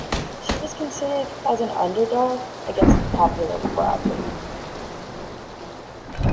She was considered as an underdog against the popular Bradley.